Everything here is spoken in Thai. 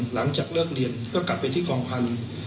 หลังจากเลิกเรียนก็กลับไปที่กองพันธุ์